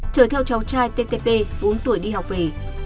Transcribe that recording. chở theo cháu trai ttp bốn tuổi đi học về